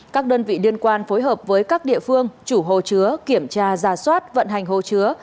các đơn vị liên quan phối hợp với các địa phương chủ hồ chứa kiểm tra giả soát vận hành hồ chứa